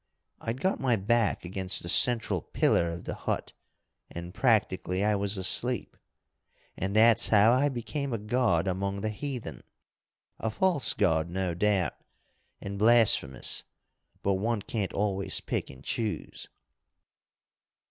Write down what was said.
I'd got my back against the central pillar of the hut, and, practically, I was asleep. And that's how I became a god among the heathen a false god no doubt, and blasphemous, but one can't always pick and choose.